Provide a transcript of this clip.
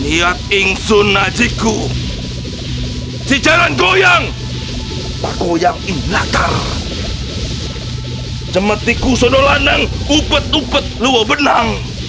niat ingsun najiku di jalan goyang goyang imlatal cemetiku sono landang upet upet luwabenang